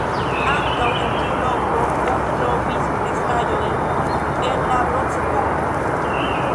Ankaŭ en tiu loko oni trovis restaĵojn el la bronzepoko.